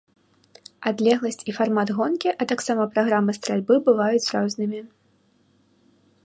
Адлегласць і фармат гонкі, а таксама праграма стральбы бываюць рознымі.